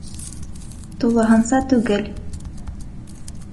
Тулыһынса түгел.